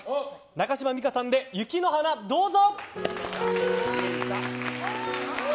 中島美嘉さんで「雪の華」。どうぞ。